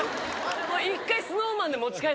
一回ＳｎｏｗＭａｎで持ち帰って。